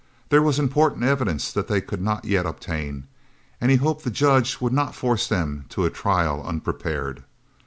There was important evidence that they could not yet obtain, and he hoped the judge would not force them to a trial unprepared.